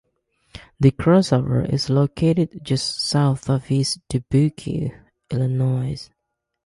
The crossover is located just south of East Dubuque, Illinois.